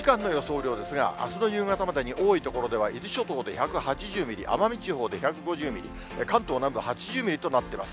雨量ですが、あすの夕方までに、多い所では伊豆諸島で１８０ミリ、奄美地方で１５０ミリ、関東南部８０ミリとなってます。